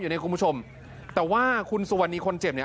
เนี่ยคุณผู้ชมแต่ว่าคุณสุวรรณีคนเจ็บเนี่ย